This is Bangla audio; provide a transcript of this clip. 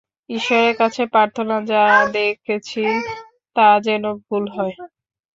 ঈশ্বরের কাছে প্রার্থনা, যা দেখেছি তা যেন ভুল হয়।